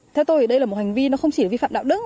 theo tôi đây là một hành vi không chỉ vi phạm đạo đức